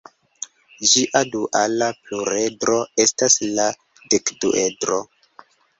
Ĝia duala pluredro estas la dekduedro.